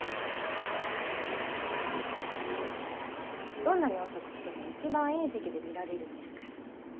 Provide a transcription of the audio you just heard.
どんなに遅く来ても一番いい席で見られるんですから。